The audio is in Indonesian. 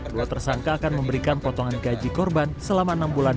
dua tersangka akan memberikan potongan gaji korban selama enam bulan